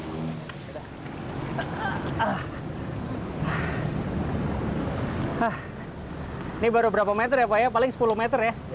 ini baru berapa meter ya pak ya paling sepuluh meter ya